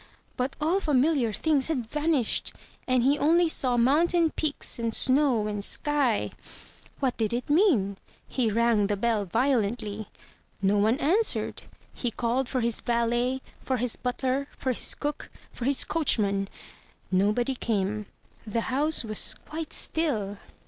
But all familiar things had vanished, and he only saw mountain peaks and snow and sky. What did it mean? He rang the bell violently. No one answered. He called for his valet, for his butler, for his cook, for his coachman. Nobody came. The house was quite still.